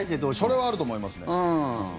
それはあると思いますね。